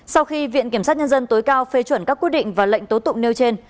sau khi viện kiểm sát nhân dân tối cao phê chuẩn các quyết định và lệnh tố tụng nêu trên